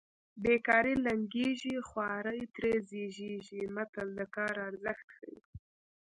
بې کاري لنګېږي خواري ترې زېږېږي متل د کار ارزښت ښيي